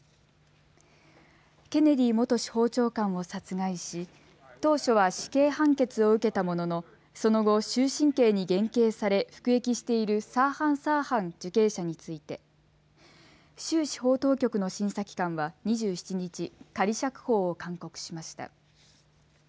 ケネディ元司法長官を殺害し当初は死刑判決を受けたもののその後、終身刑に減刑され服役しているサーハン・サーハン受刑者について、州司法当局の審査機関は２７日、仮釈放を勧告しました。